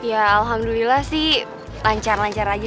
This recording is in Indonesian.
ya alhamdulillah sih lancar lancar aja